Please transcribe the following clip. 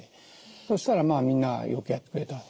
そしたらみんなよくやってくれた。